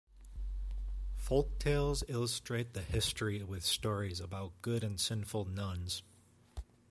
Folk tales illustrate the history with stories about good and sinful nuns.